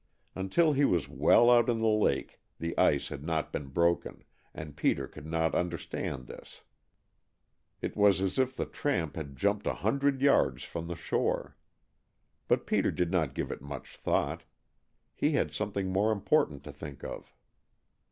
Until he was well out in the lake the ice had not been broken, and Peter could not understand this. It was as if the tramp had jumped a hundred yards from the shore. But Peter did not give it much thought. He had something more important to think of.